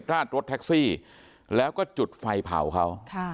ราดรถแท็กซี่แล้วก็จุดไฟเผาเขา